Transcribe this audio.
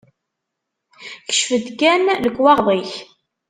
Kcef-d kan lekwaɣeḍ-ik.